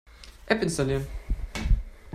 App installieren.